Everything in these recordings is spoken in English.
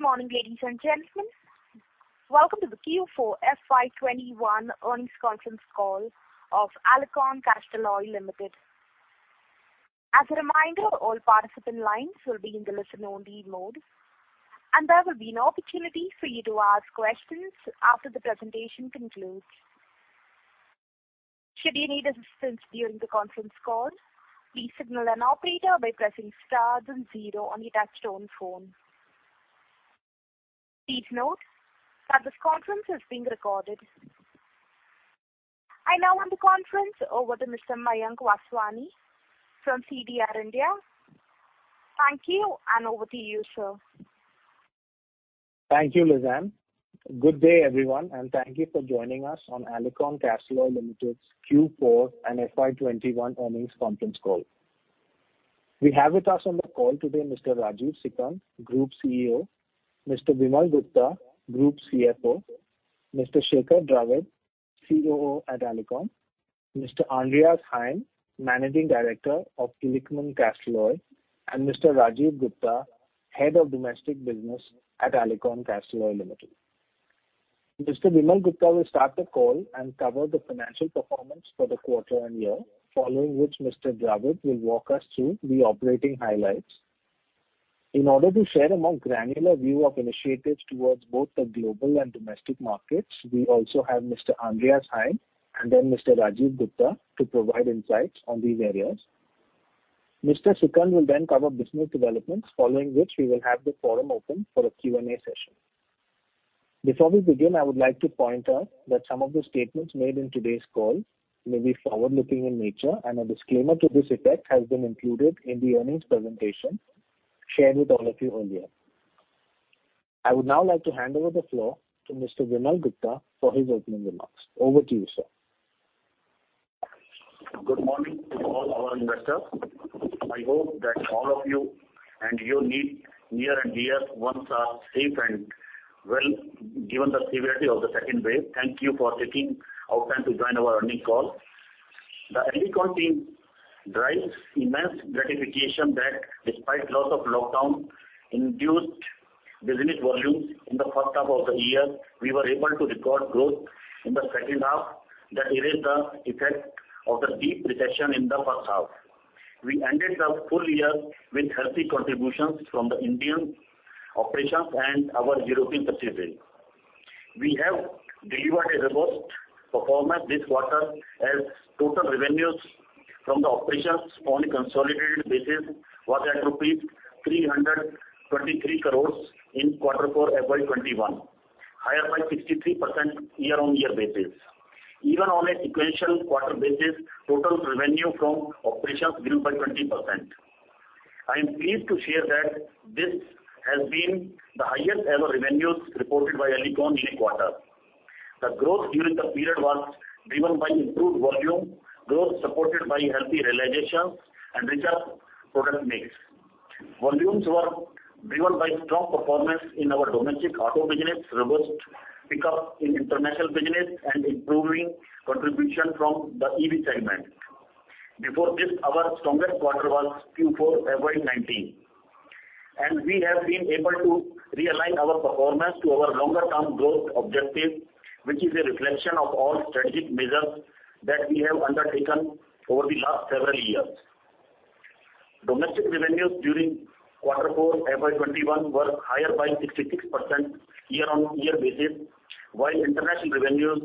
Good morning, ladies and gentlemen. Welcome to the Q4 FY 2021 Earnings Conference Call of Alicon Castalloy Limited. As a reminder, all participant lines will be in the listen-only mode, and there will be an opportunity for you to ask questions after the presentation concludes. Should you need assistance during the conference call, please signal an operator by pressing star then zero on your touchtone phone. Please note that this conference is being recorded. I now hand the conference over to Mr. Mayank Vaswani from CDR India. Thank you, and over to you, sir. Thank you, Lizanne. Good day, everyone, and thank you for joining us on Alicon Castalloy Limited's Q4 and FY 2021 earnings conference call. We have with us on the call today Mr. Rajeev Sikand, Group CEO; Mr. Vimal Gupta, Group CFO; Mr. Shekhar Dravid, COO at Alicon; Mr. Andreas Heim, Managing Director of Illichmann Castalloy; and Mr. Rajiv Gupta, Head of Domestic Business at Alicon Castalloy Limited. Mr. Vimal Gupta will start the call and cover the financial performance for the quarter and year, following which Mr. Dravid will walk us through the operating highlights. In order to share a more granular view of initiatives towards both the global and domestic markets, we also have Mr. Andreas Heim and then Mr. Rajiv Gupta to provide insights on these areas. Mr. Sikand will then cover business developments, following which we will have the forum open for a Q&A session. Before we begin, I would like to point out that some of the statements made in today's call may be forward-looking in nature and a disclaimer to this effect has been included in the earnings presentation shared with all of you earlier. I would now like to hand over the floor to Mr. Vimal Gupta for his opening remarks. Over to you, sir. Good morning to all our investors. I hope that all of you and your near and dear ones are safe and well, given the severity of the second wave. Thank you for taking out time to join our earnings call. The Alicon team derives immense gratification that despite loss of lockdown-induced business volumes in the first half of the year, we were able to record growth in the second half that erased the effect of the deep recession in the first half. We ended the full year with healthy contributions from the Indian operations and our European subsidiaries. We have delivered a robust performance this quarter as total revenues from the operations on a consolidated basis was at rupees 323 crore in quarter 4 FY 2021, higher by 63% year-on-year basis. Even on a sequential quarter basis, total revenue from operations grew by 20%. I am pleased to share that this has been the highest ever revenues reported by Alicon in a quarter. The growth during the period was driven by improved volume growth supported by healthy realization and richer product mix. Volumes were driven by strong performance in our domestic auto business, robust pickup in international business, and improving contribution from the EV segment. Before this, our strongest quarter was Q4 FY 2019, and we have been able to realign our performance to our longer-term growth objective, which is a reflection of all strategic measures that we have undertaken over the last several years. Domestic revenues during Q4 FY 2021 were higher by 66% year-on-year basis, while international revenues,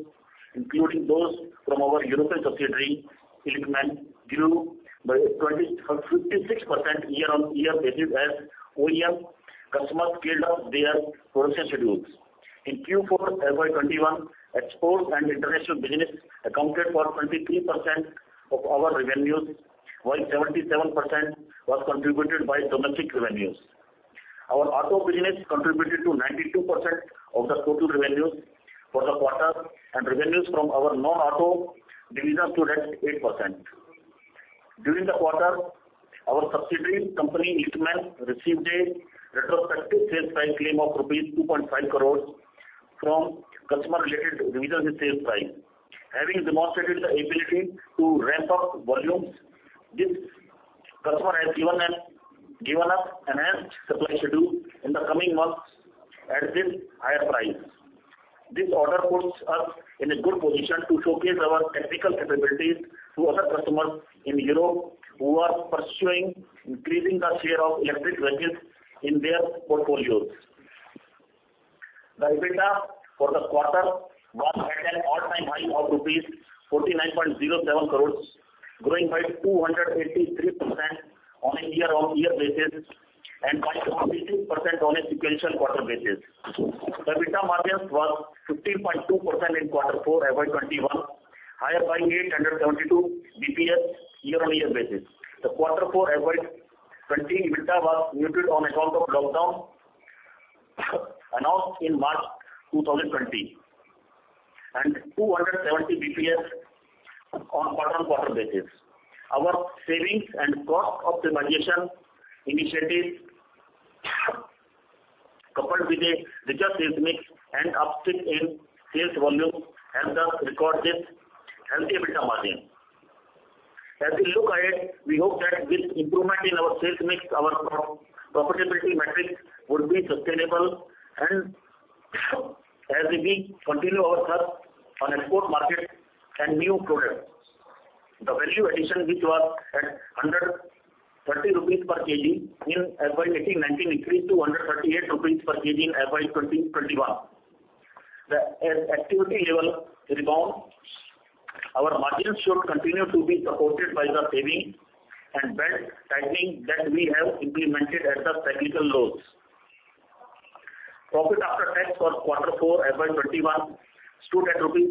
including those from our European subsidiary, Illichmann, grew by 56% year-on-year basis as OEM customers scaled up their production schedules. In Q4 FY 2021, export and international business accounted for 23% of our revenues, while 77% was contributed by domestic revenues. Our auto business contributed to 92% of the total revenues for the quarter, and revenues from our non-auto division stood at 8%. During the quarter, our subsidiary company, Illichmann, received a retrospective sales price claim of rupees 2.5 crores from customer-related revision in sales price. Having demonstrated the ability to ramp up volumes, this customer has given an enhanced supply schedule in the coming months at this higher price. This order puts us in a good position to showcase our technical capabilities to other customers in Europe who are pursuing increasing the share of electric vehicles in their portfolios. The EBITDA for the quarter was at an all-time high of 49.07 crores rupees, growing by 283% on a year-over-year basis and by 46% on a quarter-over-quarter basis. The EBITDA margin was 15.2% in quarter 4 FY 2021, higher by 872 basis points year-on-year basis. The quarter 4 FY 2020 EBITDA was muted on account of lockdown announced in March 2020, and 270 basis points on quarter-on-quarter basis. Our savings and cost optimization initiatives coupled with a richer sales mix and uptick in sales volume helped us record this healthy EBITDA margin. As we look ahead, we hope that this improvement in our sales mix, our profitability metrics will be sustainable and as we continue our thrust on export markets and new products. The value addition which was at 130 rupees per kg in FY 2018-2019 increased to 138 rupees per kg in FY 2020-2021. As activity level rebounds, our margins should continue to be supported by the savings and belt-tightening that we have implemented at the cyclical lows. Profit after tax for Q4 FY 2021 stood at INR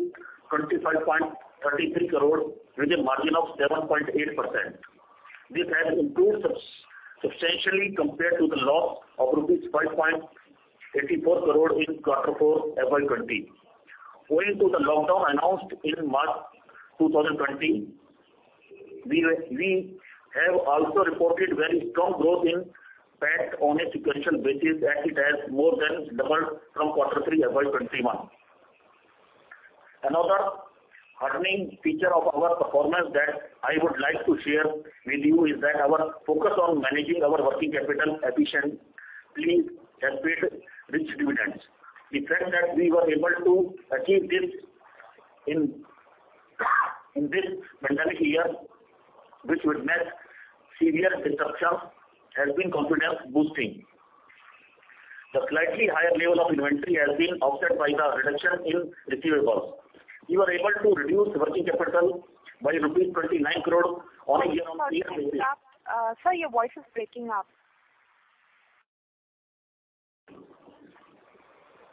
25.33 crore with a margin of 7.8%. This has improved substantially compared to the loss of rupees 5.84 crore in Q4 FY 2020. Owing to the lockdown announced in March 2020, we have also reported very strong growth in PAT on a sequential basis as it has more than doubled from Q3 FY 2021. Another heartening feature of our performance that I would like to share with you is that our focus on managing our working capital efficiently has paid rich dividends. The fact that we were able to achieve this in this pandemic year which witnessed severe disruptions has been confidence-boosting. The slightly higher level of inventory has been offset by the reduction in receivables. We were able to reduce working capital by rupees 29 crore on a year-on-year basis. Sir, your voice is breaking up.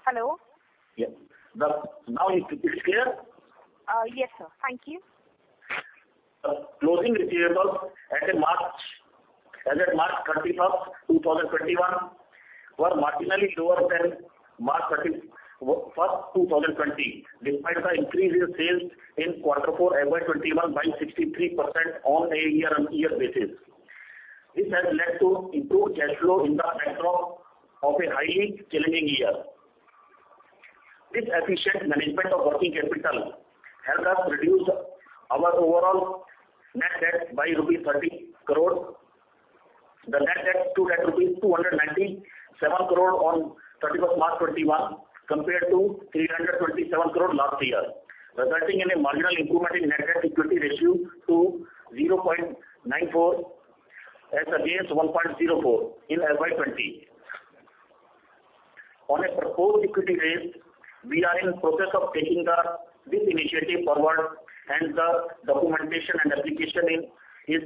Hello? Yes. Now it is clear? Yes, sir. Thank you. Closing receivables as at March 31st, 2021 were marginally lower than March 31st, 2020, despite the increase in sales in Q4 FY 2021 by 63% on a year-on-year basis. This has led to improved cash flow in the backdrop of a highly challenging year. This efficient management of working capital helped us reduce our overall net debt by rupees 30 crore. The net debt stood at rupees 297 crore on March 31st, 2021 compared to 327 crore last year, resulting in a marginal improvement in net debt equity ratio to 0.94x as against 1.04x in FY 2020. On a proposed equity raise, we are in process of taking this initiative forward, and the documentation and application is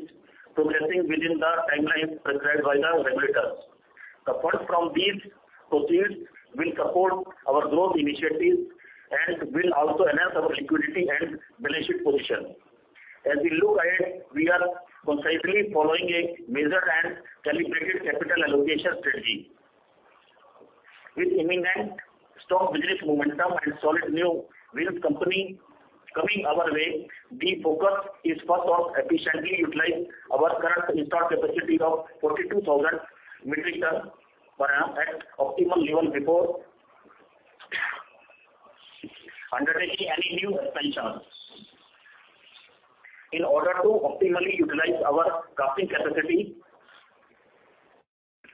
progressing within the timeline prescribed by the regulators. The funds from these proceeds will support our growth initiatives and will also enhance our liquidity and balance sheet position. As we look ahead, we are consciously following a measured and calibrated capital allocation strategy. With imminent stock business momentum and solid new wins coming our way, the focus is first on efficiently utilizing our current installed capacity of 42,000 metric ton per annum at optimal level before undertaking any new expansions. In order to optimally utilize our casting capacity,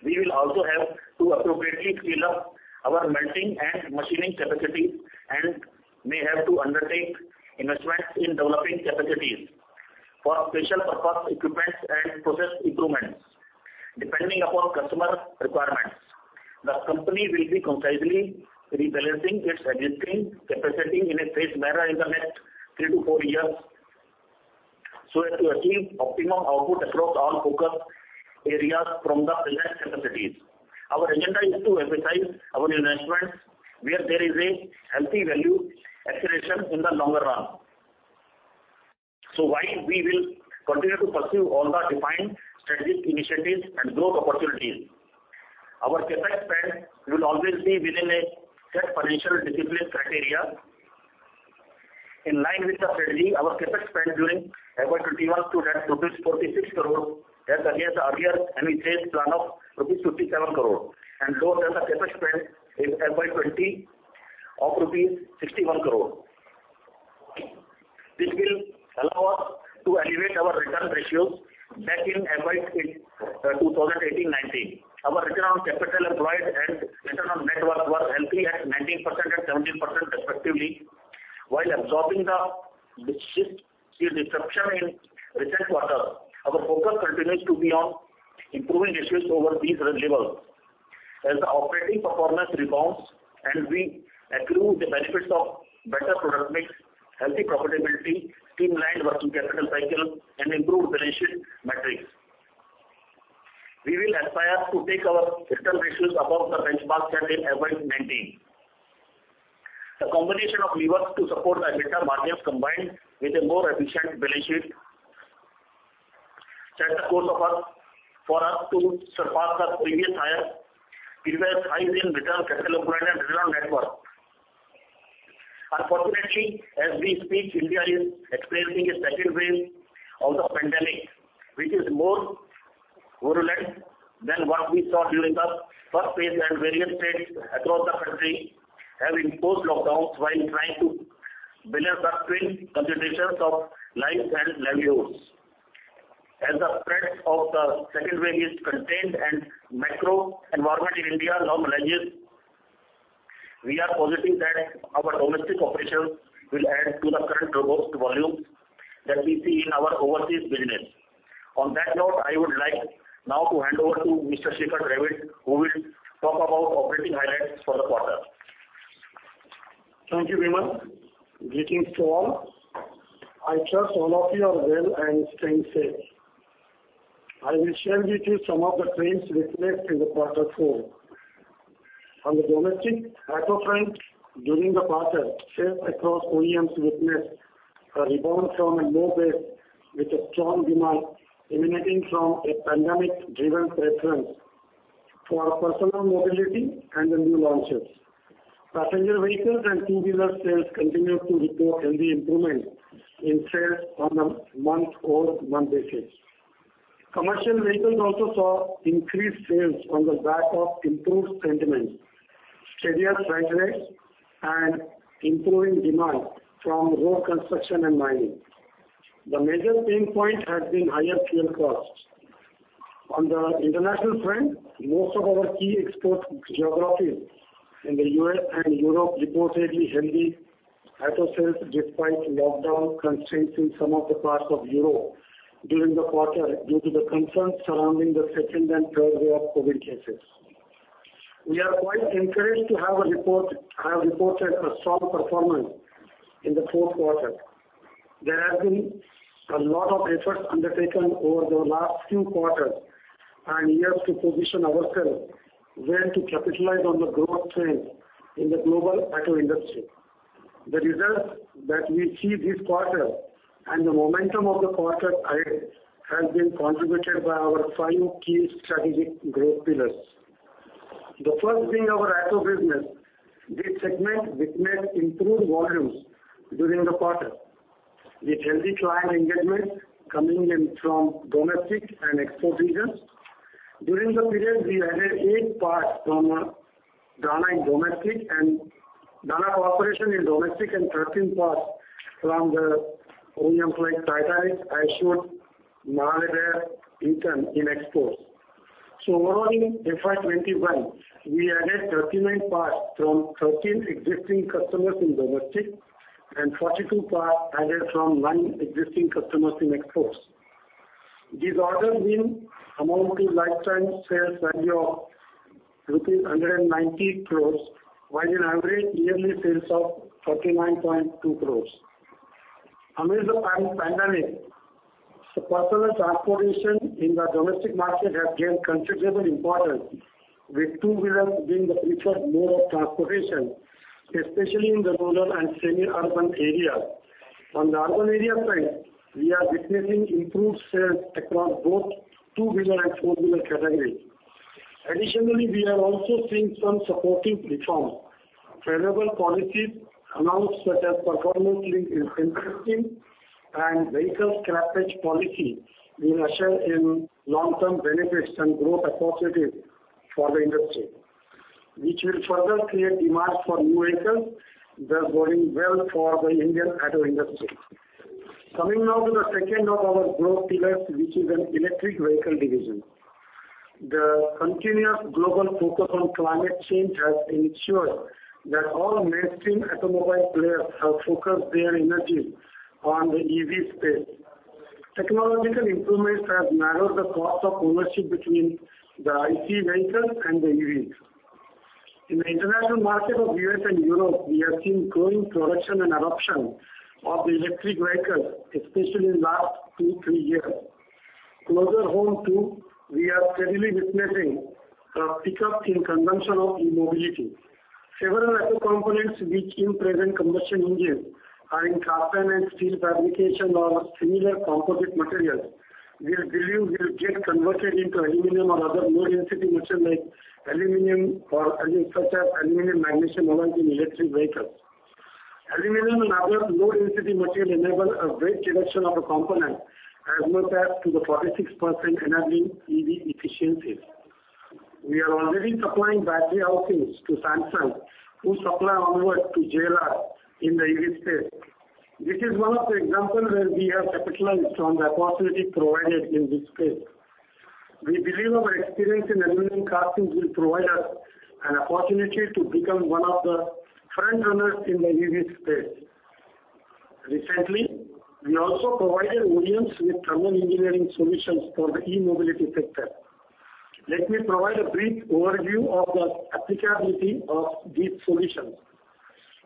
we will also have to appropriately scale up our melting and machining capacity and may have to undertake investments in developing capacities for special purpose equipment and process improvements depending upon customer requirements. The company will be consciously rebalancing its existing capacity in a phased manner in the next three to four years so as to achieve optimum output across all focus areas from the existing capacities. Our agenda is to emphasize our investments where there is a healthy value accretion in the longer run. While we will continue to pursue all the defined strategic initiatives and growth opportunities, our CapEx spend will always be within a strict financial discipline criteria. In line with the strategy, our CapEx spend during FY 2021 stood at INR 46 crore as against the earlier annualized plan of rupees 57 crore and lower than the CapEx spend in FY 2020 of rupees 61 crore. This will allow us to elevate our return ratios back in FY 2018 to FY 2019. Our return on capital employed and return on net worth were healthy at 19% and 17% respectively while absorbing the severe disruption in recent quarter. Our focus continues to be on improving ratios over these levels as the operating performance rebounds and we accrue the benefits of better product mix, healthy profitability, streamlined working capital cycle, and improved balance sheet metrics. We will aspire to take our return ratios above the benchmarks set in FY 2019. The combination of levers to support the better margins combined with a more efficient balance sheet set the course for us to surpass the previous higher peaks highs in return on capital employed and return on net worth. Unfortunately, as we speak, India is experiencing a second wave of the pandemic. It is more virulent than what we saw during the first phase, and various states across the country have imposed lockdowns while trying to balance the twin considerations of life and livelihoods. As the spread of the second wave is contained and macro environment in India normalizes, we are positive that our domestic operations will add to the current robust volume that we see in our overseas business. On that note, I would like now to hand over to Mr. Shekhar Dravid, who will talk about operating highlights for the quarter. Thank you, Vimal. Greetings to all. I trust all of you are well and staying safe. I will share with you some of the trends witnessed in the quarter 4. On the domestic auto front, during the quarter, sales across OEMs witnessed a rebound from a low base with a strong demand emanating from a pandemic-driven preference for personal mobility and the new launches. Passenger vehicles and two-wheeler sales continued to report healthy improvement in sales on a month-over-month basis. Commercial vehicles also saw increased sales on the back of improved sentiment, steadier pathways, and improving demand from road construction and mining. The major pain point has been higher fuel costs. On the international front, most of our key export geographies in the U.S. and Europe reported a healthy auto sales despite lockdown constraints in some of the parts of Europe during the quarter, due to the concerns surrounding the second and third wave of COVID cases. We are quite encouraged to have reported a strong performance in the fourth quarter. There have been a lot of efforts undertaken over the last few quarters and years to position ourselves well to capitalize on the growth trends in the global auto industry. The results that we see this quarter and the momentum of the quarter ahead has been contributed by our five key strategic growth pillars. The first being our auto business. This segment witnessed improved volumes during the quarter, with healthy client engagements coming in from domestic and export regions. During the period, we added eight parts from Dana Incorporated in domestic and 13 parts from the OEM like TitanX, Ashok, MAHLE Behr in exports. Overall in FY 2021, we added 39 parts from 13 existing customers in domestic and 42 parts added from nine existing customers in exports. These orders will amount to lifetime sales value of rupees 190 crores, while an average yearly sales of 49.2 crores. Amid the pandemic, personal transportation in the domestic market has gained considerable importance, with two-wheelers being the preferred mode of transportation, especially in the rural and semi-urban areas. On the urban area side, we are witnessing improved sales across both two-wheeler and four-wheeler categories. Additionally, we are also seeing some supportive reforms. Favorable policies announced, such as Production-Linked Incentive and Vehicle Scrappage Policy, will assure in long-term benefits and growth opportunity for the industry, which will further create demand for new vehicles, thus going well for the Indian auto industry. Coming now to the second of our growth pillars, which is an electric vehicle division. The continuous global focus on climate change has ensured that all mainstream automobile players have focused their energy on the EV space. Technological improvements have narrowed the cost of ownership between the ICE vehicles and the EVs. In the international market of U.S. and Europe, we have seen growing production and adoption of the electric vehicles, especially in last two, three years. Closer home too, we are steadily witnessing a pickup in consumption of e-mobility. Several auto components which in present combustion engines are in cast iron and steel fabrication or similar composite materials, we believe will get converted into aluminum or other low-density material like aluminum or alloy such as aluminum magnesium alloy in electric vehicles. Aluminum and other low-density material enable a great reduction of a component as much as to the 46% energy EV efficiencies. We are already supplying battery housings to Samsung, who supply onwards to JLR in the EV space. This is one of the examples where we have capitalized on the opportunity provided in this space. We believe our experience in aluminum castings will provide us an opportunity to become one of the front runners in the EV space. Recently, we also provided OEMs with thermal engineering solutions for the e-mobility sector. Let me provide a brief overview of the applicability of these solutions.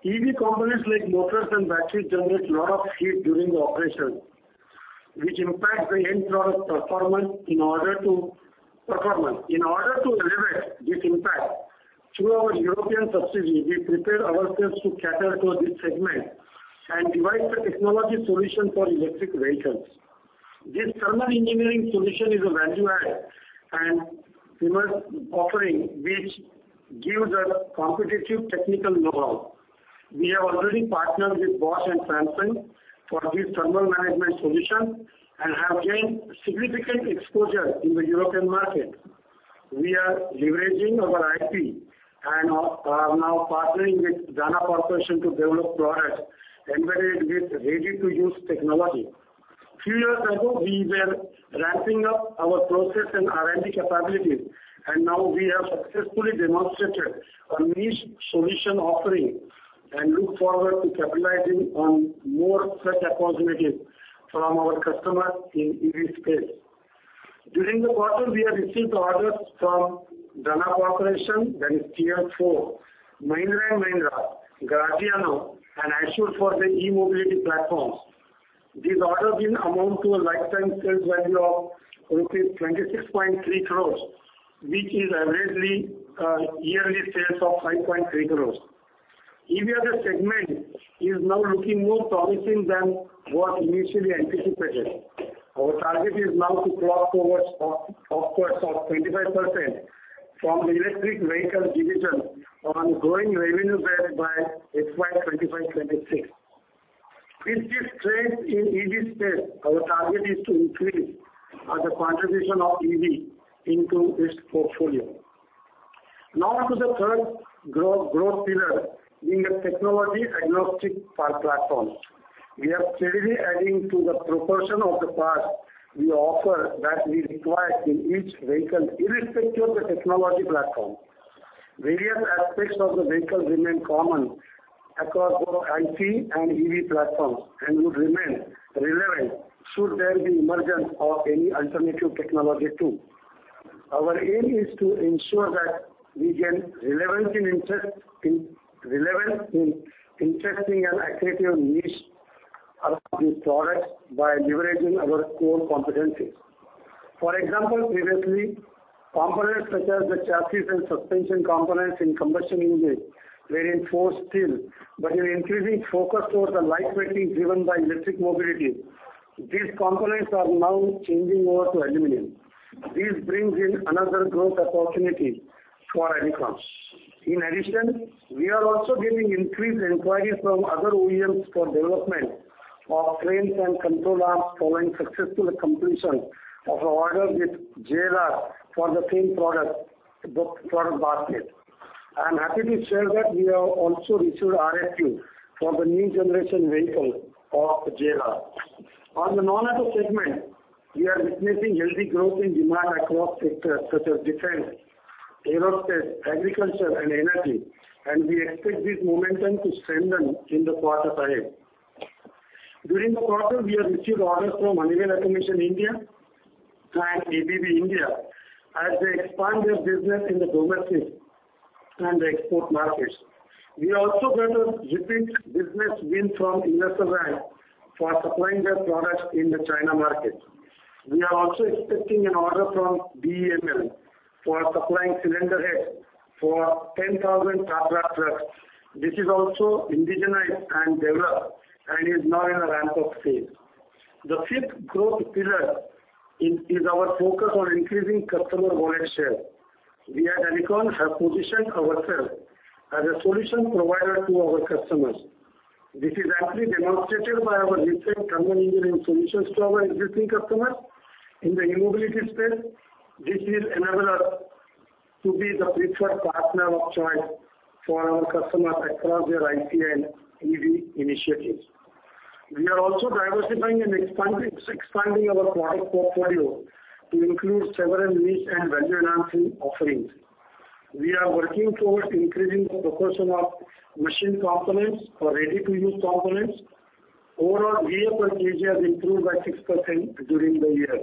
EV components like motors and batteries generate a lot of heat during the operation, which impact the end product performance. In order to alleviate this impact, through our European subsidiary, we prepared ourselves to cater to this segment and devised a technology solution for electric vehicles. This thermal engineering solution is a value add and premier offering which gives us competitive technical know-how. We have already partnered with Bosch and Samsung for this thermal management solution and have gained significant exposure in the European market. We are leveraging our IP and are now partnering with Dana Incorporated to develop products embedded with ready-to-use technology. A few years ago, we were ramping up our process and R&D capabilities, and now we have successfully demonstrated a niche solution offering and look forward to capitalizing on more such opportunities from our customers in EV space. During the quarter, we have received orders from Dana Incorporated, that is Tier 4, Mahindra & Mahindra, Graziano, and Ashok for their e-mobility platforms. These orders will amount to a lifetime sales value of 26.3 crores, which is averagely a yearly sales of 5.3 crores. EV as a segment is now looking more promising than what initially anticipated. Our target is now to clock upwards of 25% from the electric vehicle division on growing revenue base by FY 2025/2026. With this trend in EV space, our target is to increase the contribution of EV into this portfolio. Now to the third growth pillar in the technology agnostic platform. We are steadily adding to the proportion of the parts we offer that we require in each vehicle irrespective of the technology platform. Various aspects of the vehicle remain common across both ICE and EV platforms and would remain relevant should there be emergence of any alternative technology too. Our aim is to ensure that we gain relevance in interesting and attractive niche of these products by leveraging our core competencies. For example, previously, components such as the chassis and suspension components in combustion engines were in forged steel. With increasing focus towards the light weighting driven by electric mobility, these components are now changing over to aluminum. This brings in another growth opportunity for Alicon. In addition, we are also getting increased inquiries from other OEMs for development of frames and control arms following successful completion of our orders with JLR for the same product, the product basket. I'm happy to share that we have also received RFQ for the new generation vehicle of JLR. On the non-auto segment, we are witnessing healthy growth in demand across sectors such as defense, aerospace, agriculture, and energy, and we expect this momentum to strengthen in the quarter ahead. During the quarter, we have received orders from Honeywell Automation India and ABB India as they expand their business in the domestic and the export markets. We also got a repeat business win from Ingersoll Rand for supplying their products in the China market. We are also expecting an order from BEML for supplying cylinder heads for 10,000 Tata trucks. This is also indigenized and developed and is now in the ramp-up phase. The fifth growth pillar is our focus on increasing customer wallet share. We at Alicon have positioned ourselves as a solution provider to our customers. This is aptly demonstrated by our recent thermal engineering solutions to our existing customers. In the e-mobility space, this will enable us to be the preferred partner of choice for our customers across their ICE and EV initiatives. We are also diversifying and expanding our product portfolio to include several niche and value-adding offerings. We are working towards increasing the proportion of machine components or ready-to-use components. Overall, vehicle content has improved by 6% during the year.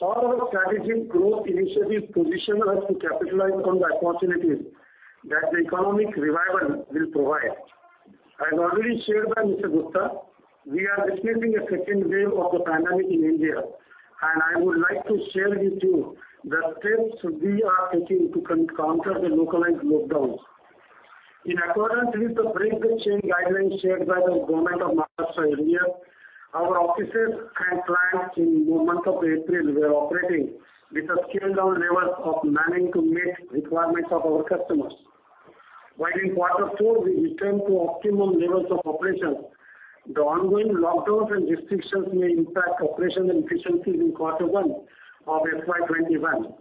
All our strategic growth initiatives position us to capitalize on the opportunities that the economic revival will provide. As already shared by Mr. Gupta, we are witnessing a second wave of the pandemic in India, and I would like to share with you the steps we are taking to counter the localized lockdowns. In accordance with the break the chain guidelines shared by the Government of Maharashtra, India, our offices and plants in the month of April were operating with the scaled-down levels of manning to meet requirements of our customers. While in quarter 4, we returned to optimum levels of operation, the ongoing lockdowns and restrictions may impact operations and efficiencies in quarter 1 of FY 2021.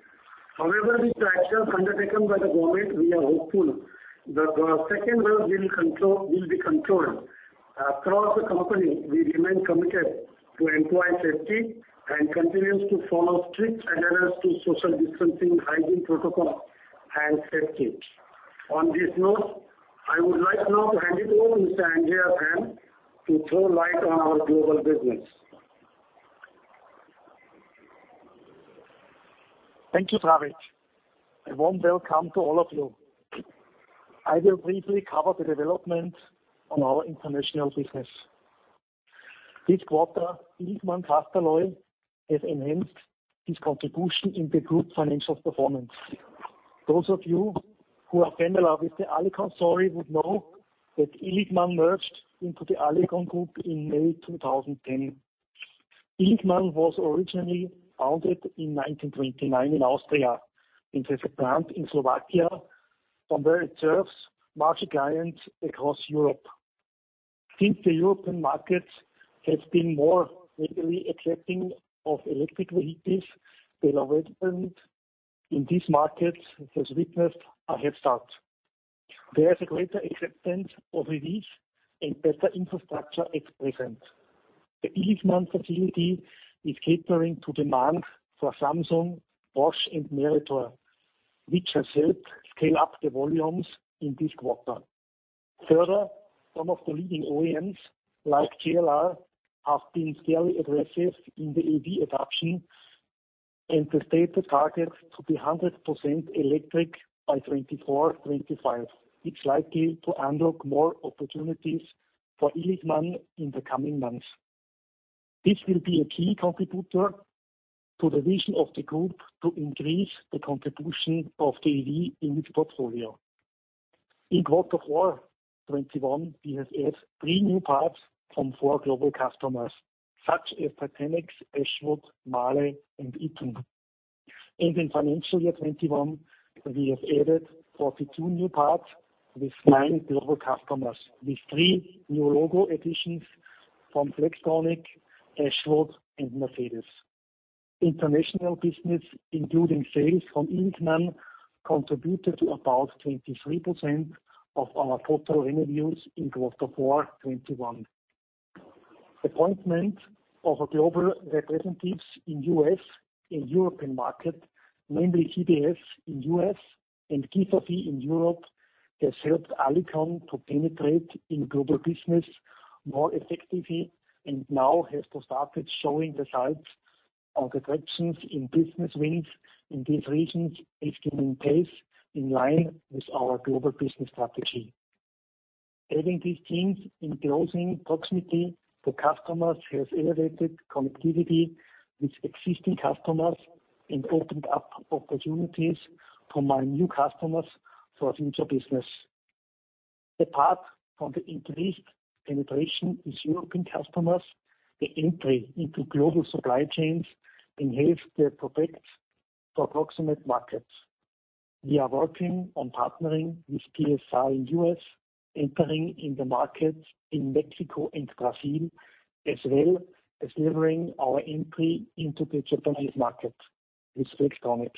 However, with the actions undertaken by the Government, we are hopeful the second wave will be controlled. Across the company, we remain committed to employee safety and continuance to follow strict adherence to social distancing, hygiene protocol, and safety. On this note, I would like now to hand it over to Mr. Andreas Heim to throw light on our global business. Thank you, Dravid. A warm welcome to all of you. I will briefly cover the development on our international business. This quarter, Illichmann Castalloy has enhanced its contribution in the group financial performance. Those of you who are familiar with the Alicon story would know that Illichmann merged into the Alicon Group in May 2010. Illichmann was originally founded in 1929 in Austria. It has a plant in Slovakia, from where it serves major clients across Europe. Since the European markets have been more readily accepting of electric vehicles development, in these markets, it has witnessed a head start. There is a greater acceptance of EVs and better infrastructure at present. The Illichmann facility is catering to demand for Samsung, Bosch, and Meritor, which has helped scale up the volumes in this quarter. Further, some of the leading OEMs like JLR have been fairly aggressive in the EV adoption and have set the target to be 100% electric by 2024, 2025. It's likely to unlock more opportunities for Illichmann in the coming months. This will be a key contributor to the vision of the group to increase the contribution of the EV in its portfolio. In quarter 4 2021, we have added three new parts from four global customers, such as TitanX, Ashok, MAHLE, and Eaton. In financial year 2021, we have added 42 new parts with nine global customers, with three new logo additions from Flextronics, Ashok, and Mercedes. International business, including sales from Illichmann, contributed to about 23% of our total revenues in quarter 4 2021. Appointment of our global representatives in U.S. and European market, namely CBS in U.S. and Kiekert in Europe, has helped Alicon to penetrate in global business more effectively, and now has started showing the signs of attractions in business wins in these regions, achieving pace in line with our global business strategy. Having these teams in closing proximity to customers has elevated connectivity with existing customers and opened up opportunities to my new customers for future business. Apart from the increased penetration with European customers, the entry into global supply chains enhanced their prospects for proximate markets. We are working on partnering with PSR in U.S., entering in the market in Mexico and Brazil, as well as delivering our entry into the Japanese market with Flextronics.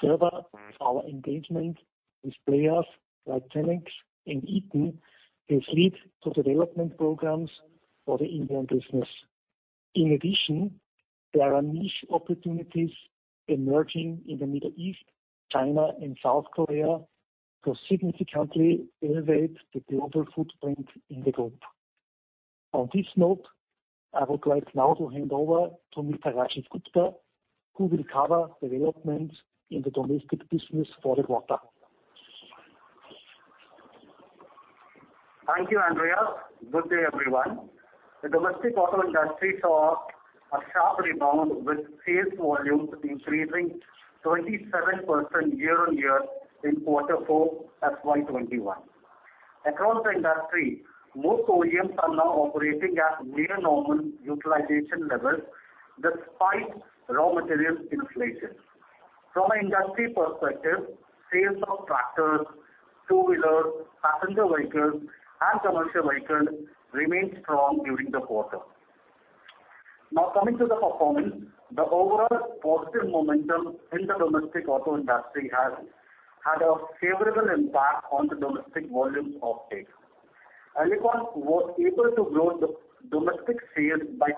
Further, our engagement with players like TitanX and Eaton can lead to development programs for the inbound business. There are niche opportunities emerging in the Middle East, China, and South Korea to significantly elevate the global footprint in the group. On this note, I would like now to hand over to Mr. Rajiv Gupta, who will cover developments in the domestic business for the quarter. Thank you, Andreas. Good day, everyone. The domestic auto industry saw a sharp rebound, with sales volumes increasing 27% year-on-year in quarter 4 FY 2021. Across the industry, most OEMs are now operating at near normal utilization levels despite raw material inflation. From an industry perspective, sales of tractors, two-wheelers, passenger vehicles, and commercial vehicles remained strong during the quarter. Coming to the performance. The overall positive momentum in the domestic auto industry has had a favorable impact on the domestic volumes of Alicon. Alicon was able to grow domestic sales by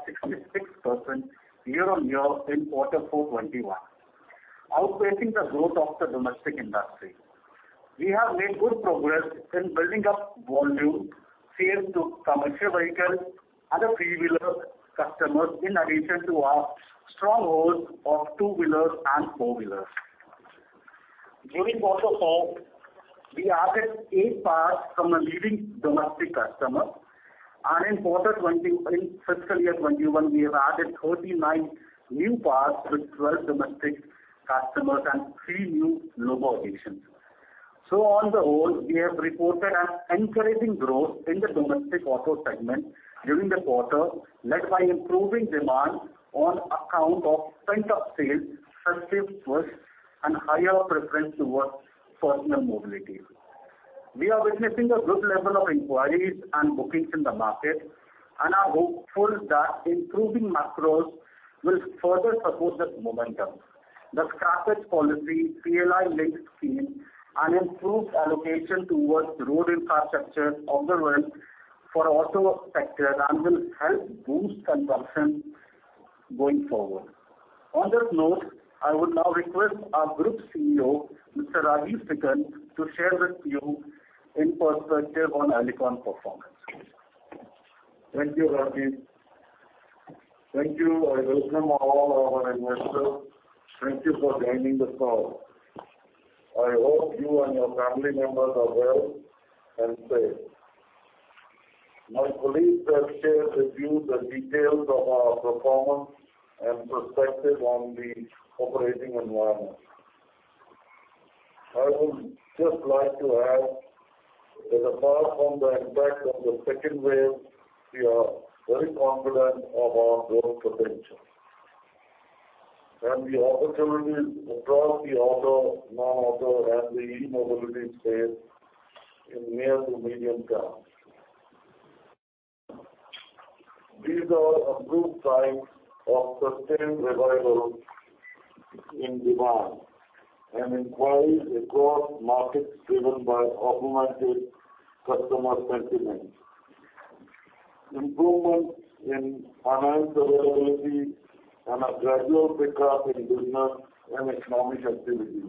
66% year-on-year in quarter 4 2021, outpacing the growth of the domestic industry. We have made good progress in building up volume sales to commercial vehicle and three-wheeler customers, in addition to our strong hold of two-wheelers and four-wheelers. During quarter 4, we added eight parts from a leading domestic customer, and in fiscal year 2021, we have added 49 new parts with 12 domestic customers and three new logo additions. On the whole, we have reported an encouraging growth in the domestic auto segment during the quarter, led by improving demand on account of pent-up sales, substitute switch, and higher preference towards personal mobility. We are witnessing a good level of inquiries and bookings in the market and are hopeful that improving macros will further support this momentum. The scrappage policy, PLI linked scheme, and improved allocation towards road infrastructure on the ramp for auto sector and will help boost consumption going forward. On this note, I would now request our Group CEO, Mr. Rajeev Sikand, to share with you his perspective on Alicon performance. Thank you, Rajiv. Thank you. I welcome all our investors. Thank you for joining this call. I hope you and your family members are well and safe. My colleagues have shared with you the details of our performance and perspective on the operating environment. I would just like to add that apart from the impact of the second wave, we are very confident of our growth potential and the opportunities across the auto, non-auto, and the e-mobility space in near to medium term. These are a good sign of sustained revival in demand and inquiries across markets driven by augmented customer sentiment, improvements in finance availability, and a gradual pickup in business and economic activity.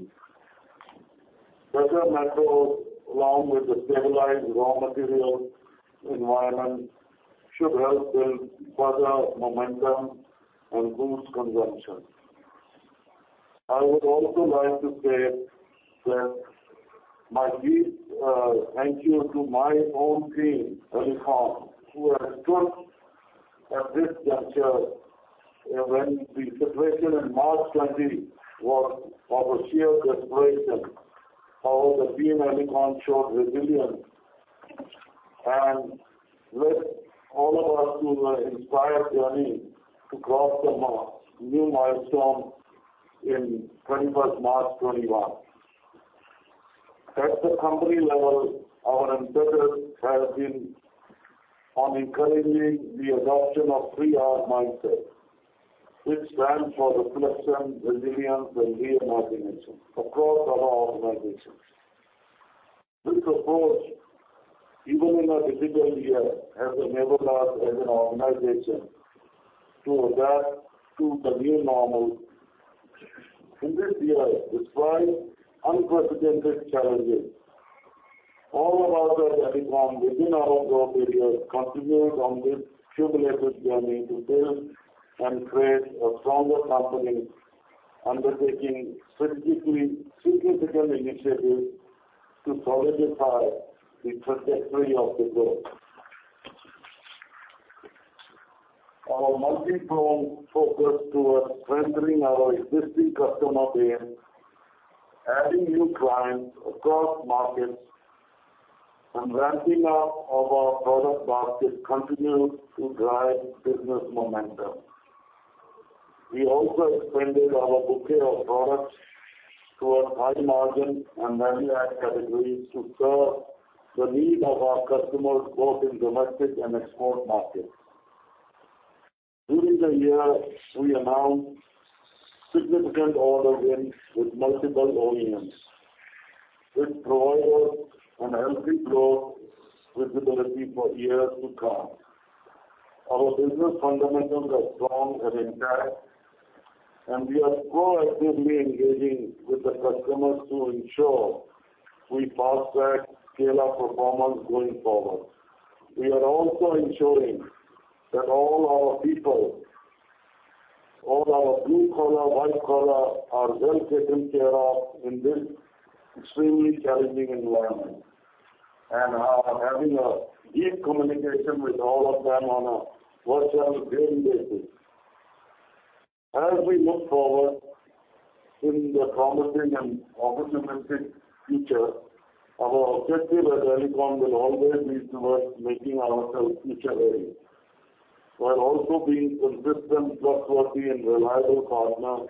Better macro, along with a stabilized raw material environment, should help build further momentum and boost consumption. I would also like to say my deep thank you to my own team, Alicon, who have stood at this juncture when the situation in March 2020 was of a sheer desperation. However, team Alicon showed resilience and led all of us through the entire journey to cross the new milestone in 21st March 2021. At the company level, our impetus has been on encouraging the adoption of 3R mindset, which stands for reflection, resilience, and reimagination across our organizations. This approach, even in a difficult year, has enabled us as an organization to adapt to the new normal. In this year, despite unprecedented challenges, all of us at Alicon within our growth areas continued on this cumulative journey to build and create a stronger company, undertaking significant initiatives to solidify the trajectory of the growth. Our multi-pronged focus towards strengthening our existing customer base, adding new clients across markets, and ramping up of our product basket continued to drive business momentum. We also expanded our bouquet of products towards high margin and value add categories to serve the need of our customers both in domestic and export markets. During the year, we announced significant order wins with multiple OEMs, which provide us an healthy growth visibility for years to come. Our business fundamentals are strong and intact, and we are proactively engaging with the customers to ensure we fast-track scale-up performance going forward. We are also ensuring that all our people, all our blue collar, white collar, are well taken care of in this extremely challenging environment and are having a deep communication with all of them on a virtual daily basis. As we look forward in the promising and opportunistic future, our objective at Alicon will always be towards making ourselves future ready, while also being consistent, trustworthy, and reliable partner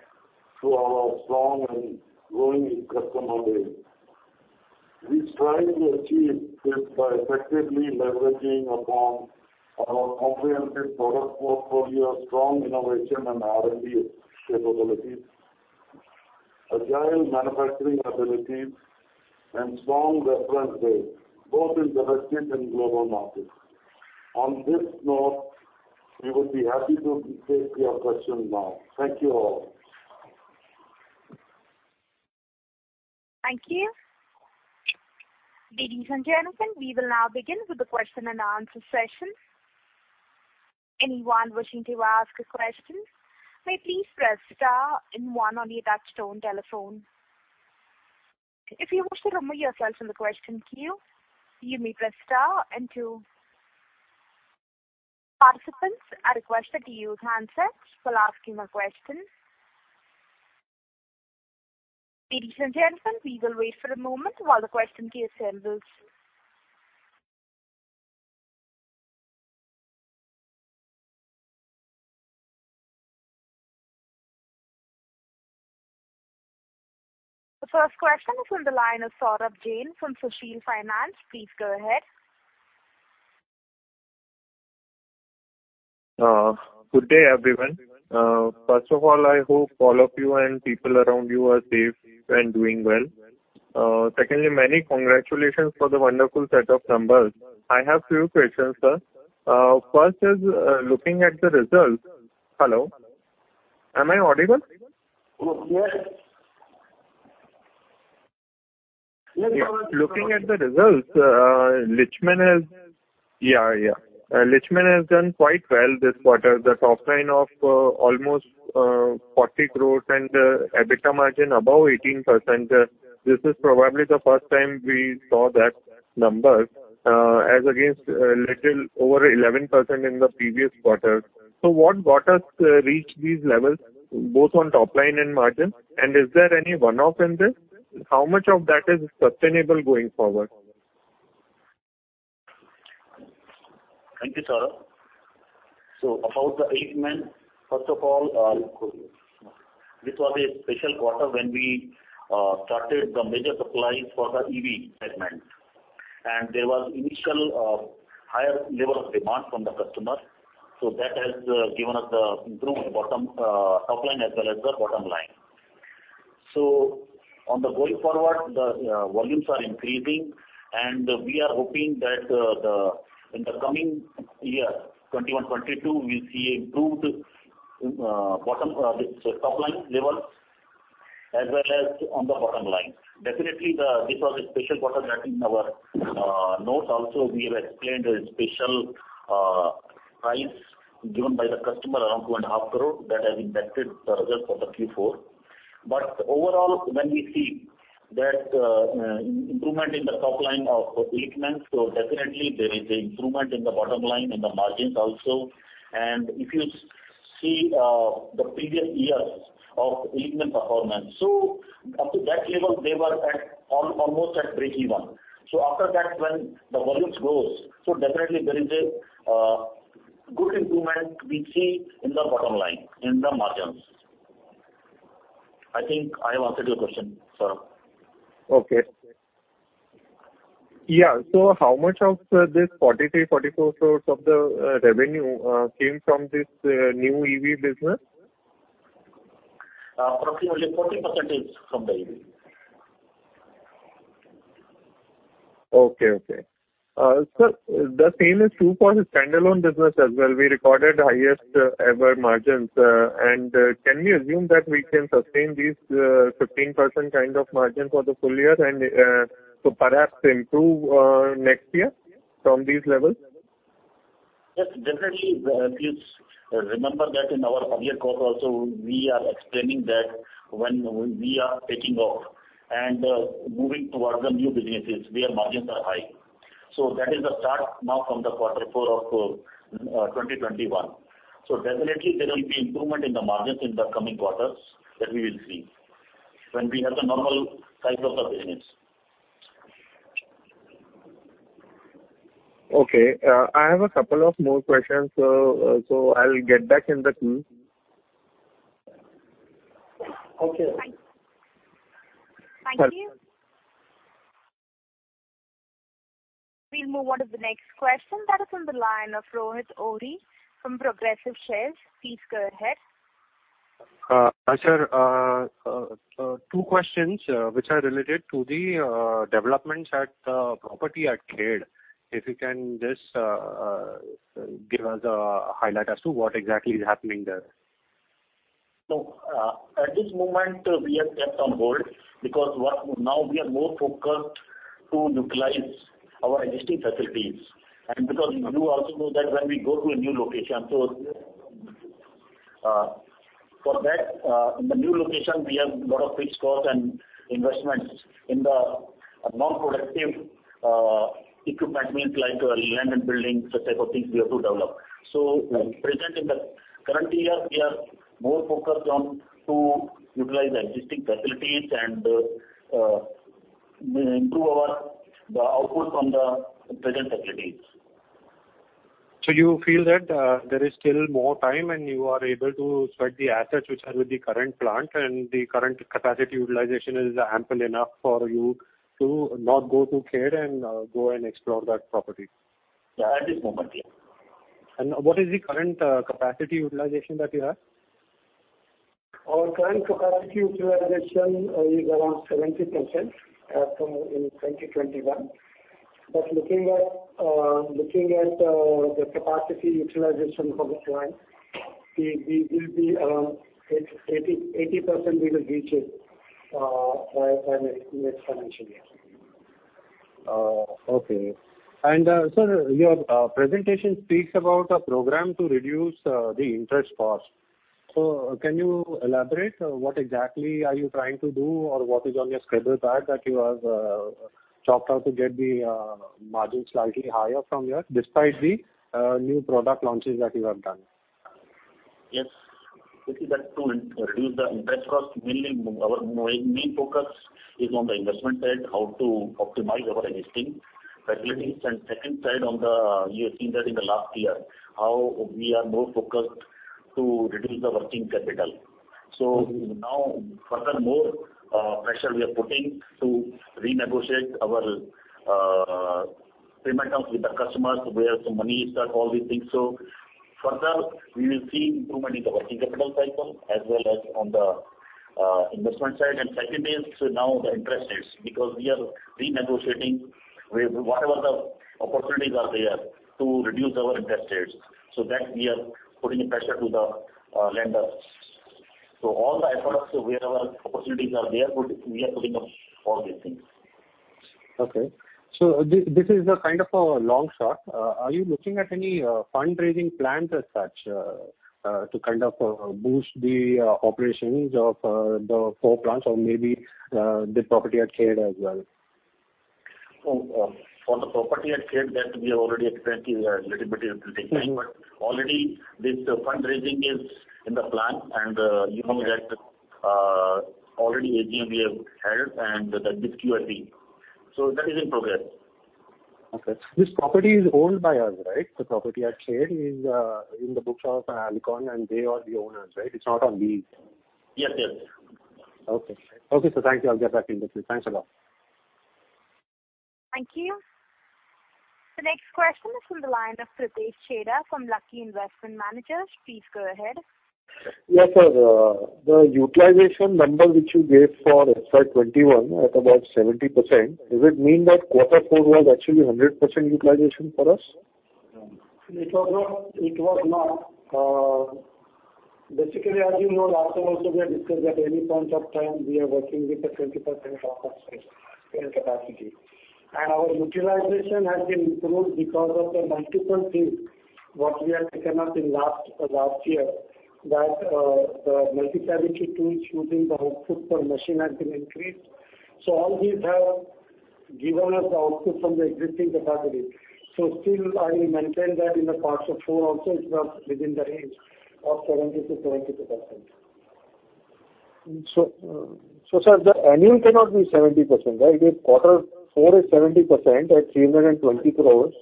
to our strong and growing customer base. We strive to achieve this by effectively leveraging upon our comprehensive product portfolio, strong innovation and R&D capabilities, agile manufacturing abilities, and strong reference base, both in domestic and global markets. On this note, we would be happy to take your questions now. Thank you all. Thank you. Ladies and gentlemen, we will now begin with the question and answer session. Anyone wishing to ask a question may please press star and one on your touchtone telephone. If you wish to remove yourself from the question queue, you may press star and two. Participants are requested to use handsets while asking a question. Ladies and gentlemen, we will wait for a moment while the question queue assembles. The first question from the line of Saurabh Jain from Sushil Finance. Please go ahead. Good day, everyone. First of all, I hope all of you and people around you are safe and doing well. Secondly, many congratulations for the wonderful set of numbers. I have few questions, sir. First is, looking at the results. Hello. Am I audible? Yes. Looking at the results, Illichmann has done quite well this quarter. The top line of almost 40 crores and EBITDA margin above 18%. This is probably the first time we saw that number as against a little over 11% in the previous quarter. What got us reach these levels, both on top line and margin, and is there any one-off in this? How much of that is sustainable going forward? Thank you, Saurabh. About the Illichmann, first of all, this was a special quarter when we started the major supplies for the EV segment, and there was initial higher level of demand from the customers. That has given us the improvement bottom, top line as well as the bottom line. On the way forward, the volumes are increasing, and we are hoping that in the coming year, 2021, 2022, we'll see improved bottom, this top line levels as well as on the bottom line. Definitely, this was a special quarter that in our notes also we have explained the special price given by the customer, around 2.5 crore that has impacted the results of the Q4. Overall, when we see that improvement in the top line of Illichmann, definitely there is a improvement in the bottom line, in the margins also. If you see the previous years of Illichmann performance, so up to that level, they were at almost at breakeven. After that when the volumes grows, so definitely there is a good improvement we see in the bottom line, in the margins. I think I have answered your question, Saurabh. Okay. Yeah. How much of this 43 crore-44 crore of the revenue came from this new EV business? Approximately 40% is from the EV. Okay. Sir, the same is true for the standalone business as well. We recorded the highest ever margins. Can we assume that we can sustain these 15% kind of margin for the full year and so perhaps improve next year from these levels? Yes, definitely. If you remember that in our earlier call also, we are explaining that when we are taking off and moving towards the new businesses, their margins are high. That is the start now from the quarter 4 of 2021. Definitely there will be improvement in the margins in the coming quarters that we will see when we have the normal cycle of the business. Okay. I have a couple of more questions. I'll get back in the queue. Okay. Thank you. Sure. We'll move on to the next question that is on the line of Rohit Ohri from Progressive Shares. Please go ahead. Sir, two questions which are related to the developments at the property at Khed. If you can just give us a highlight as to what exactly is happening there. At this moment we have kept on hold because what now we are more focused to utilize our existing facilities and because you also know that when we go to a new location, so for that, in the new location, we have lot of fixed cost and investments in the non-productive equipment, like land and building, such type of things we have to develop. At present in the current year, we are more focused on to utilize the existing facilities and improve our output from the present facilities. You feel that there is still more time and you are able to spread the assets which are with the current plant and the current capacity utilization is ample enough for you to not go to Khed and go and explore that property. Yeah, at this moment, yeah. What is the current capacity utilization that you have? Our current capacity utilization is around 70% in 2021. Looking at the capacity utilization for this line, we will be around 80% we will reach it by next financial year. Okay. Sir, your presentation speaks about a program to reduce the interest cost. Can you elaborate what exactly are you trying to do or what is on your credit card that you have chopped out to get the margin slightly higher from here despite the new product launches that you have done? Yes. This is to reduce the interest cost, mainly our main focus is on the investment side, how to optimize our existing facilities. Second side on the, you have seen that in the last year how we are more focused to reduce the working capital. Now further more pressure we are putting to renegotiate our payment terms with the customers where some money is stuck, all these things. Further we will see improvement in the working capital cycle as well as on the investment side. Second is now the interest rates because we are renegotiating whatever the opportunities are there to reduce our interest rates. That we are putting a pressure to the lenders. All the efforts wherever opportunities are there, we are putting up all these things. Okay. This is a kind of a long shot. Are you looking at any fundraising plans as such to kind of boost the operations of the four plants or maybe the property at Khed as well? For the property at Khed that we already explained to you a little bit it will take time. Already this fundraising is in the plan and you know. Already AGM have held and this Q3. That is in progress. Okay. This property is owned by us, right? The property at Khed is in the books of Alicon, and they are the owners, right? It is not on lease. Yes. Okay. Sir. Thank you. I'll get back in touch with you. Thanks a lot. Thank you. The next question is from the line of Pritesh Chheda from Lucky Investment Managers. Please go ahead. Yes, sir. The utilization number which you gave for FY 2021 at about 70%, does it mean that quarter 4 was actually 100% utilization for us? It was not. Basically, as you know, last time also we had discussed at any point of time, we are working with a 20% of our spare capacity. Our utilization has been improved because of the multiple things what we have taken up in last year that the multi-cavity tools using the output per machine has been increased. All these have given us the output from the existing capacity. Still, I will maintain that in the quarter 4 also it was within the range of 70%-72%. sir, the annual cannot be 70%, right? If quarter 4 is 70% at 320 crores.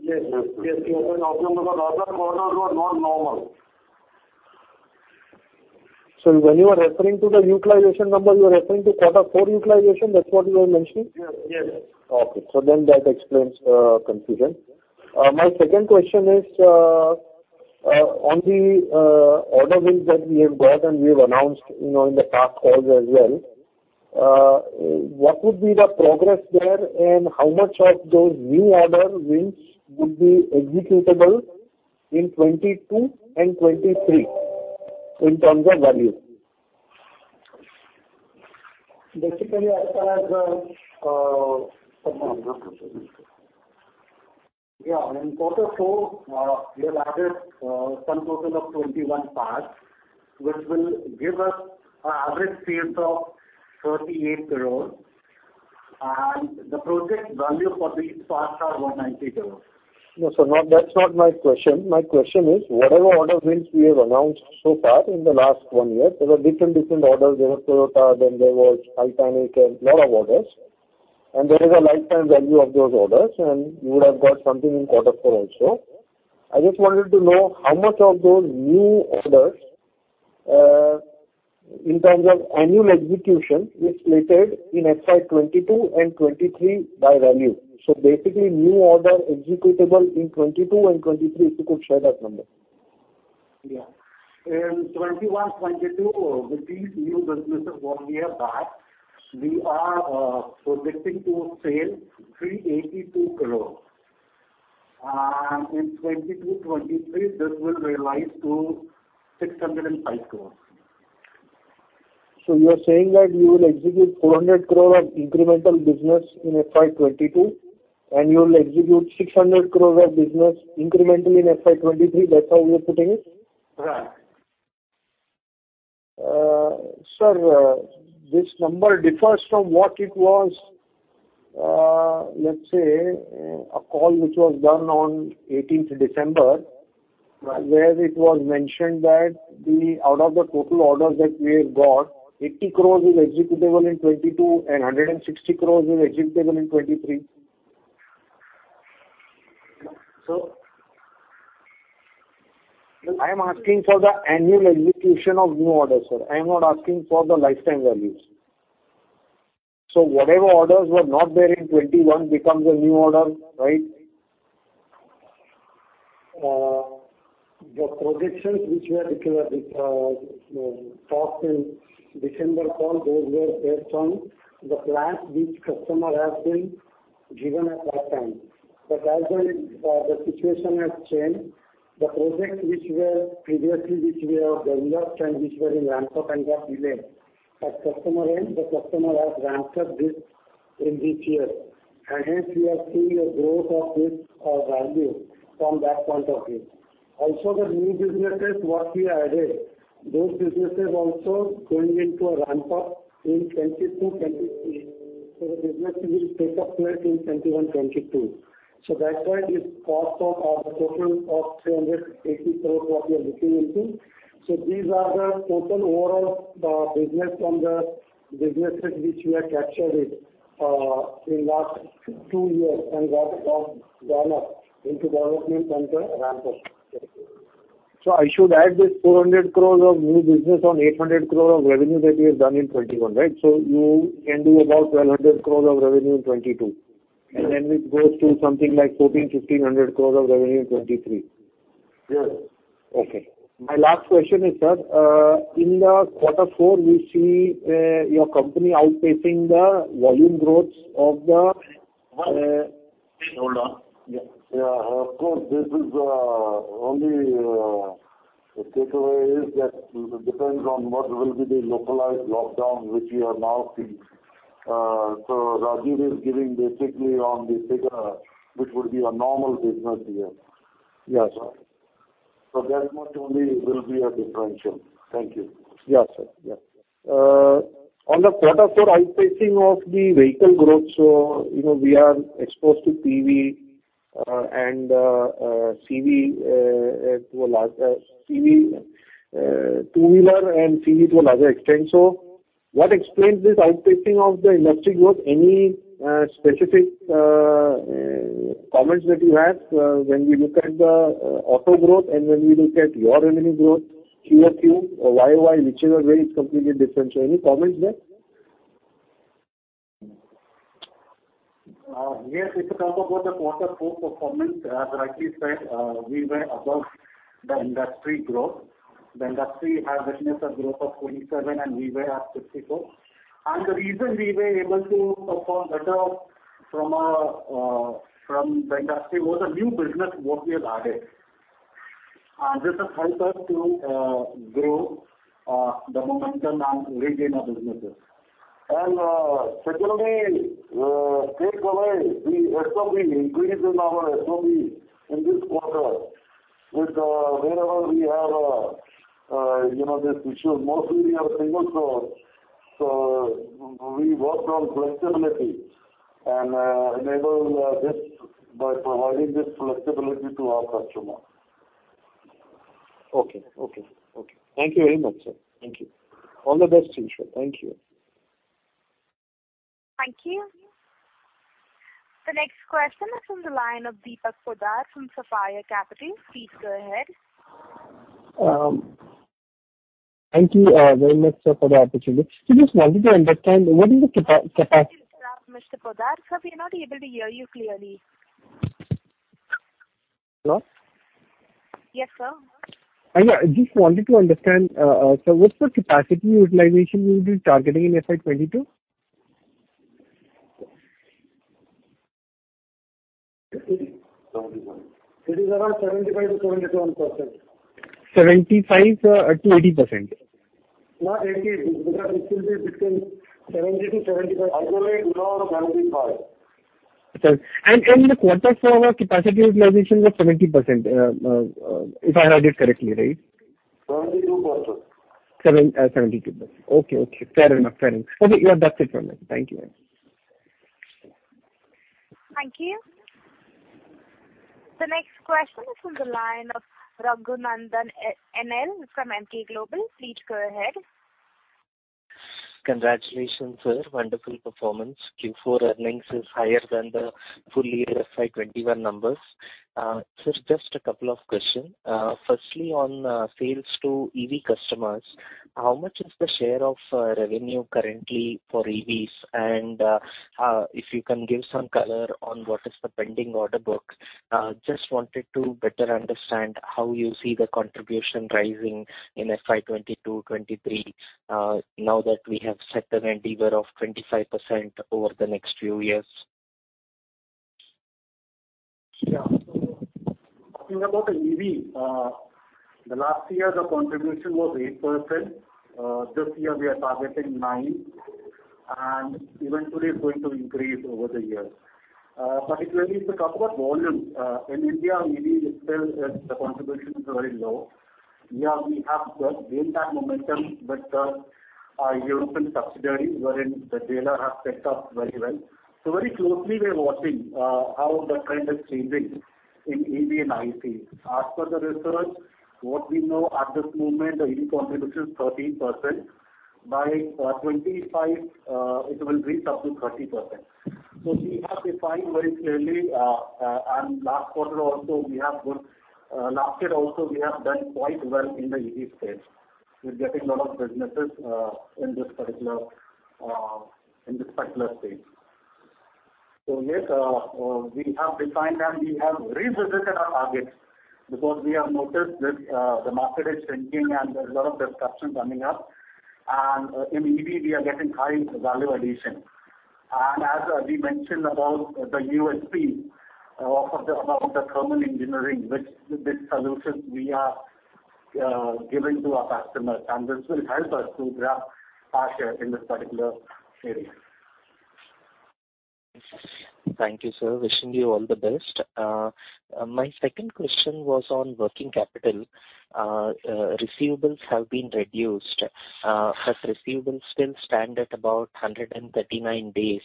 Yes. The other quarters were not normal. When you are referring to the utilization number, you are referring to quarter 4 utilization, that's what you are mentioning? Yes. That explains confusion. My second question is, on the order wins that we have got and we have announced in the past calls as well, what would be the progress there and how much of those new order wins would be executable in 2022 and 2023 in terms of value? One moment. Yeah. In quarter 4, we have added a sum total of 21 parts, which will give us a average sales of 38 crores. The project value for these parts are 190 crores. No, sir, that's not my question. My question is, whatever order wins we have announced so far in the last one year, there were different orders. There was Toyota, then there was TitanX and lot of orders. There is a lifetime value of those orders, and you would have got something in quarter 4 also. I just wanted to know how much of those new orders, in terms of annual execution, is slated in FY 2022 and 2023 by value. Basically, new order executable in 2022 and 2023, if you could share that number. Yeah. In 2021, 2022, with these new businesses what we have got, we are projecting to sell 382 crores. In 2022, 2023, this will realize to INR 605 crores. You are saying that you will execute 400 crores of incremental business in FY 2022, and you will execute 600 crores of business incrementally in FY 2023, that's how you are putting it? Right. Sir, this number differs from what it was, let's say, a call which was done on 18th December. Right. Where it was mentioned that out of the total orders that we have got, 80 crores is executable in 2022 and 160 crores is executable in 2023. Sir. I'm asking for the annual execution of new orders, sir. I'm not asking for the lifetime values. Whatever orders were not there in 2021 becomes a new order, right? The projections which were declared, talked in December call, those were based on the plant which customer has been given at that time. As and when the situation has changed, the projects which were previously which we have developed and which were in ramp-up and were delayed at customer end, the customer has ramped up in this year, and hence we are seeing a growth of this value from that point of view. Also, the new businesses what we added, those businesses also going into a ramp-up in 2022, 2023. The business will take up place in 2021, 2022. That's why this cost of our total of 380 crores what we are looking into. These are the total overall business from the businesses which we have captured it in last two years and that account gone up into development and the ramp-up. I should add this 400 crore of new business on 800 crore of revenue that we have done in 2021, right? You can do about 1,200 crore of revenue in 2022. Yes. It goes to something like 1,400 crores-1,500 crores of revenue in 2023. Yes. Okay. My last question is, sir, in the quarter 4 we see your company outpacing the volume growths of the- Hold on. Yeah. Yeah. Of course, this is only a takeaway is that it depends on what will be the localized lockdown which we are now seeing. Rajiv is giving basically on the figure which would be a normal business year. Yeah, sir. That much only will be a differential. Thank you. Yeah, sir. On the quarter 4 outpacing of the vehicle growth, we are exposed to PV and- ...CV to a larger extent. What explains this outpacing of the industry growth? Any specific comments that you have when we look at the auto growth and when we look at your revenue growth QOQ or YOY, whichever way, it's completely different. Any comments there? Yes. If you talk about the quarter 4 performance, as rightly said, we were above the industry growth. The industry has witnessed a growth of 27 and we were at 54. The reason we were able to perform better from the industry was the new business what we have added. This has helped us to grow the momentum and reach in our businesses. Secondly, take away the SOB increase in our SOB in this quarter with wherever we have this issue, mostly we are single source, so we work on flexibility and enable this by providing this flexibility to our customer. Okay. Thank you very much, sir. Thank you. All the best to you, sir. Thank you. Thank you. The next question is from the line of Deepak Poddar from Sapphire Capital. Please go ahead. Thank you very much, sir, for the opportunity. Just wanted to understand what is the CapEx? Thank you, sir. Mr. Poddar, sir, we're not able to hear you clearly. Hello? Yes, sir. I just wanted to understand, sir, what's the capacity utilization you'll be targeting in FY 2022? It is around 75%-90%. 75%-90%? Not 80% because it will be between 70%-75%. I believe more 75%. In the quarter, sir, our capacity utilization was 70%, if I heard it correctly, right? 72%. 72%. Okay, fair enough. Okay. That's it from me. Thank you very much. Thank you. The next question is from the line of Raghunandhan NL from Emkay Global. Please go ahead. Congratulations, sir. Wonderful performance. Q4 earnings is higher than the full year FY 2021 numbers. Sir, just a couple of questions. Firstly, on sales to EV customers, how much is the share of revenue currently for EVs? If you can give some color on what is the pending order book. Just wanted to better understand how you see the contribution rising in FY 2022, 2023, now that we have set an endeavor of 25% over the next few years. Yeah. Talking about EV, the last year the contribution was 8%. This year we are targeting 9%, and eventually it's going to increase over the years. Particularly if you talk about volume, in India EV is still the contribution is very low. Here we have gained that momentum with our European subsidiary wherein the dealer has set up very well. Very closely we are watching how the trend is changing in EV and ICE. As per the research, what we know at this moment, the EV contribution is 13%. By 2025, it will reach up to 30%. We have defined very clearly, and last year also we have done quite well in the EV space. We're getting a lot of businesses in this particular space. Yes, we have defined and we have revisited our targets because we have noticed that the market is shrinking and there's a lot of discussion coming up, and in EV we are getting high value addition. As we mentioned about the USP of the thermal engineering with these solutions we are giving to our customers, and this will help us to grab our share in this particular area. Thank you, sir. Wishing you all the best. My second question was on working capital. Receivables have been reduced. Has receivables still stand at about 139 days?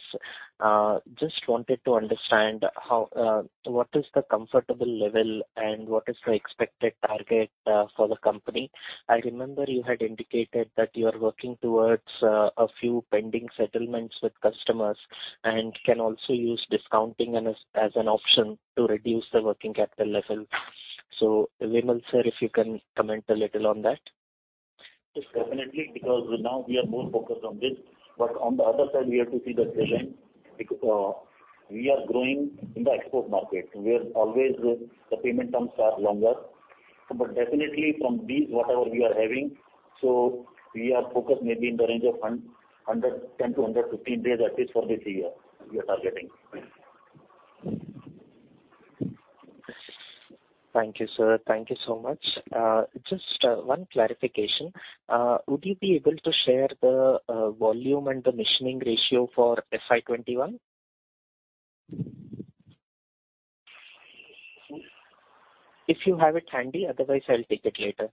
Just wanted to understand what is the comfortable level and what is the expected target for the company. I remember you had indicated that you are working towards a few pending settlements with customers and can also use discounting as an option to reduce the working capital level. Vimal sir, if you can comment a little on that. Yes, definitely, because now we are more focused on this. On the other side we have to see the trend. We are growing in the export market where always the payment terms are longer. Definitely from these whatever we are having, we are focused maybe in the range of 110-115 days at least for this year we are targeting. Thank you, sir. Thank you so much. Just one clarification. Would you be able to share the volume and the machining ratio for FY 2021? If you have it handy, otherwise I'll take it later.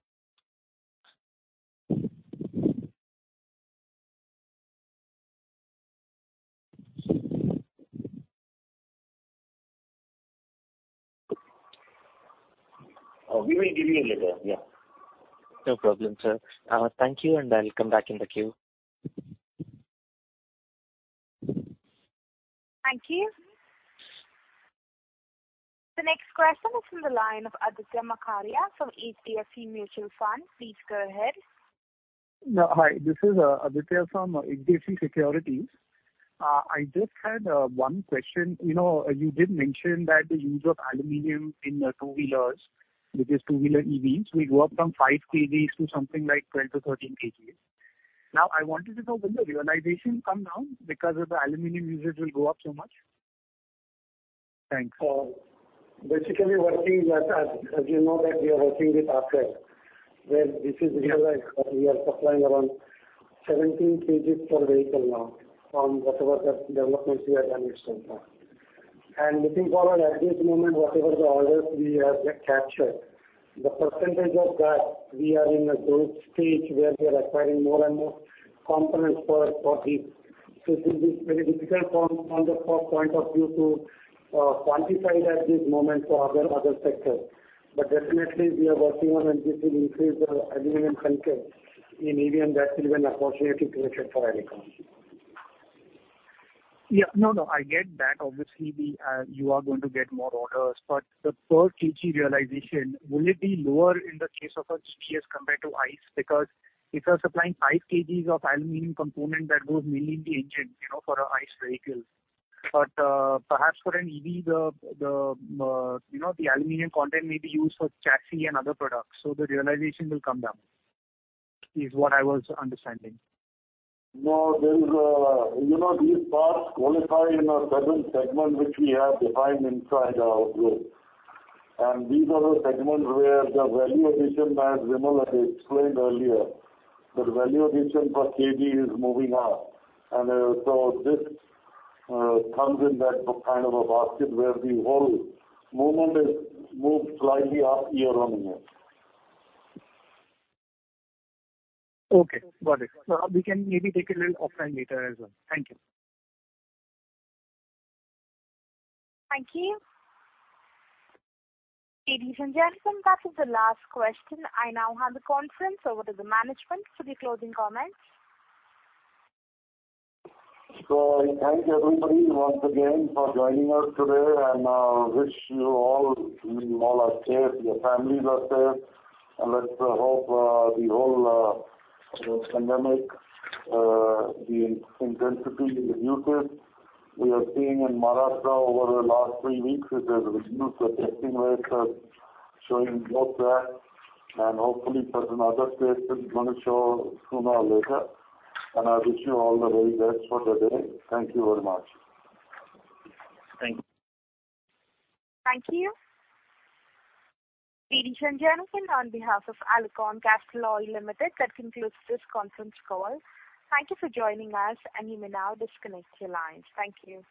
We will give you later. Yeah. No problem, sir. Thank you, and I'll come back in the queue. Thank you. The next question is from the line of Aditya Makharia from HDFC Mutual Fund. Please go ahead. Hi. This is Aditya from HDFC Securities. I just had one question. You did mention that the use of aluminum in two-wheelers, which is two-wheeler EVs, will go up from 5 kgs to something like 12-13 kgs. I wanted to know, will the realization come down because of the aluminum usage will go up so much? Thanks. As you know that we are working with Ather, where we are supplying around 17 kgs per vehicle now from whatever the developments we have done so far. Looking forward, at this moment, whatever the orders we have captured, the percentage of that, we are in a growth stage where we are acquiring more and more components for this. It will be very difficult from the cost point of view to quantify it at this moment for other sectors. Definitely, we are working on it, and this will increase the aluminum content in EV, and that will be an opportunity created for Alicon. Yeah. No, I get that. Obviously, you are going to get more orders, the per kg realization, will it be lower in the case of a EV compared to ICE? If you are supplying 5 kgs of aluminum component, that goes mainly in the engine for a ICE vehicle. Perhaps for an EV, the aluminum content may be used for chassis and other products. The realization will come down, is what I was understanding. No. These parts qualify in a certain segment which we have defined inside our group. These are the segments where the value addition, as Vimal had explained earlier, the value addition per kg is moving up. This comes in that kind of a basket where the whole movement moves slightly up year-on-year. Okay, got it. We can maybe take a little off time later as well. Thank you. Thank you. Ladies and gentlemen, that is the last question. I now hand the conference over to the management for the closing comments. I thank everybody once again for joining us today and wish you all are safe, your families are safe, and let's hope the whole pandemic intensity reduces. We are seeing in Maharashtra over the last three weeks that there's a reduced testing rate, showing low track, and hopefully certain other states it's going to show sooner or later. I wish you all the very best for the day. Thank you very much. Thank you. Thank you. Ladies and gentlemen, on behalf of Alicon Castalloy Limited, that concludes this conference call. Thank you for joining us, and you may now disconnect your lines. Thank you.